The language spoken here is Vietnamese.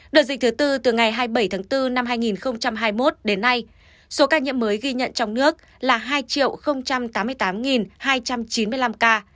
đợt dịch thứ tư từ ngày hai mươi bảy tháng bốn năm hai nghìn hai mươi một đến nay số ca nhiễm mới ghi nhận trong nước là hai tám mươi tám hai trăm chín mươi năm ca